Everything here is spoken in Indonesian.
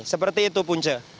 seperti itu punca